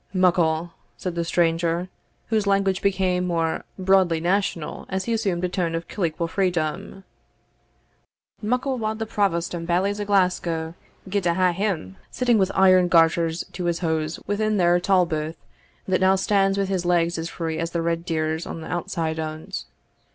"Muckle," said the stranger, whose language became more broadly national as he assumed a tone of colloquial freedom "Muckle wad the provost and bailies o' Glasgow gie to hae him sitting with iron garters to his hose within their tolbooth that now stands wi' his legs as free as the red deer's on the outside on't.